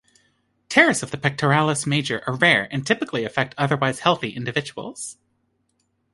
Tears of the pectoralis major are rare and typically affect otherwise healthy individuals.